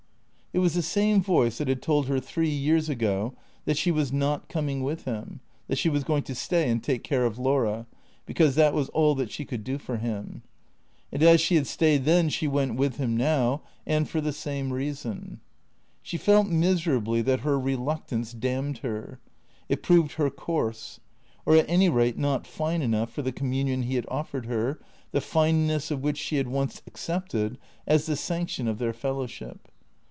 It was the same voice that had told her three years ago that she was not coming with him, that she was going to stay and take care of Laura, because that was all that she could do for him. And as she had stayed then she went with him now, and for the same reason. She felt, miserably, that her reluctance damned her ; it proved her coarse, or at any rate not fine enough for the communion he had offered her, the fineness of which she had once accepted as the sanction of their fellowship.